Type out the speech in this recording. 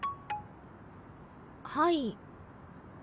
はい。